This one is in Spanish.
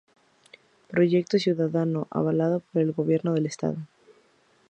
Proyecto ciudadano avalado por el Gobierno del Estado.